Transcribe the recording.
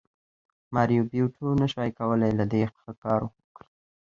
ماریو بیوټو نشوای کولی له دې ښه کار وکړي